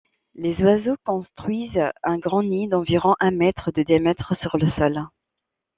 Les oiseaux construisent un grand nid d'environ un mètre de diamètre sur le sol.